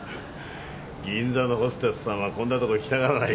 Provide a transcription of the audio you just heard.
銀座のホステスさんはこんな所来たがらないよ。